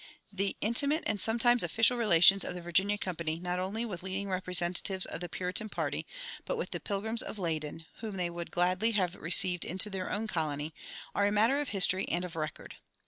The intimate and sometimes official relations of the Virginia Company not only with leading representatives of the Puritan party, but with the Pilgrims of Leyden, whom they would gladly have received into their own colony, are matter of history and of record.